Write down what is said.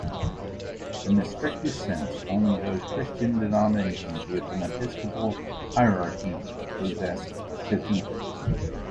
In the strictest sense, only those Christian denominations with an episcopal hierarchy possess cathedrals.